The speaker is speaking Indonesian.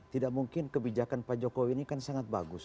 tidak mungkin kebijakan pak jokowi ini kan sangat bagus